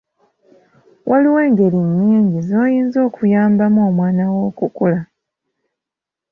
Waliwo engeri nnyingi z’oyinza okuyambamu omwana wo okukula.